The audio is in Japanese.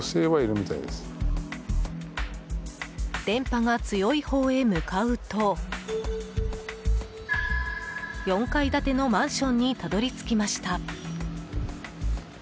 電波が強いほうへ向かうと４階建てのマンションにたどり着きました。